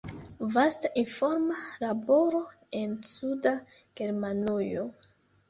Vasta informa laboro en Suda Germanujo.